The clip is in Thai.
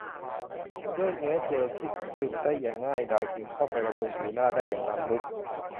ด้วยเนื้อเจลที่ซึมได้อย่างง่ายดายจึงเข้าไปบำรุงผิวหน้าได้อย่างล้ำลึก